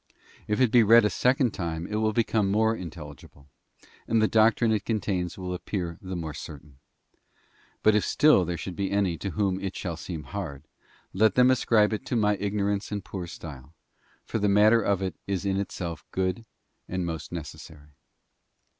If it be read a second "73 time it will become more intelligible, and the doctrine it con tains will appear the more certain. But if still there should be any to whom it shall seem hard, let them ascribe it to my j ignorance and poor style, for the matter of it is in itself good and most necessary.